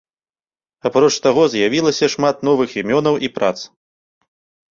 Апроч таго з'явілася шмат новых імёнаў і прац.